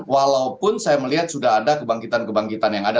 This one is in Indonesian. walaupun saya melihat sudah ada kebangkitan kebangkitan yang ada